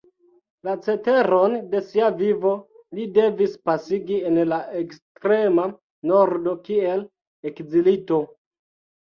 La ceteron de sia vivo li devis pasigi en la ekstrema Nordo kiel ekzilito.